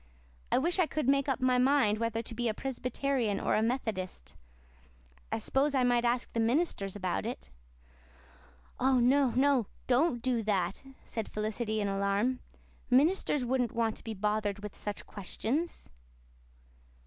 I wish I could make up my mind whether to be a Presbyterian or a Methodist. I s'pose I might ask the ministers about it." "Oh, no, no, don't do that," said Felicity in alarm. "Ministers wouldn't want to be bothered with such questions."